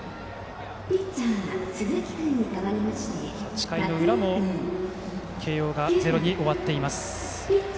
８回の裏も慶応がゼロに終わっています。